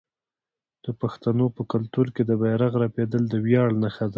د پښتنو په کلتور کې د بیرغ رپیدل د ویاړ نښه ده.